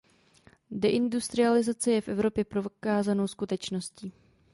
Deindustrializace je v Evropě prokázanou skutečností.